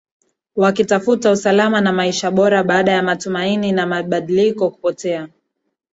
wakitafuta usalama na maisha bora baada ya matumaini ma ya mabadiliko kupotea